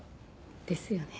ですよね。